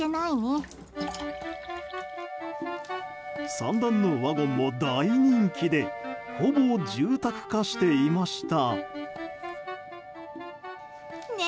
３段のワゴンも大人気でほぼ住宅化していました。